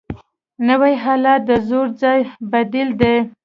نوی حالت د زوړ ځای بدیل دی